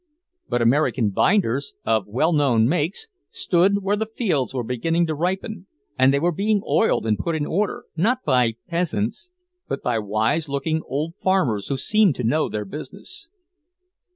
But American binders, of well known makes, stood where the fields were beginning to ripen, and they were being oiled and put in order, not by "peasants," but by wise looking old farmers who seemed to know their business.